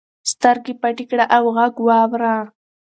سترګې پټې کړه او غږ واوره.